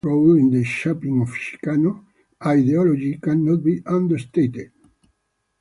The artistic movement's role in the shaping of Chicano ideology cannot be understated.